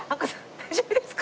大丈夫ですか？